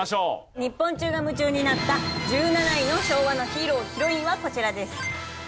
日本中が夢中になった１７位の昭和のヒーロー＆ヒロインはこちらです。